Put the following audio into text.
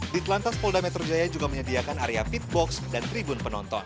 di telantas polda metro jaya juga menyediakan area pit box dan tribun penonton